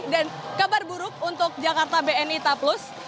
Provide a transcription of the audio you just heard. dan kabar buruk untuk jakarta bni taplus